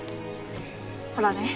ほらね。